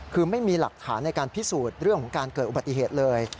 คือไม่มีหลักฐานในการพิสูจน์เรื่องของการเกิดอุบัติเหตุเลย